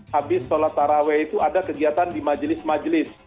habis sholat taraweh itu ada kegiatan di majelis majelis